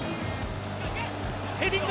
ヘディング！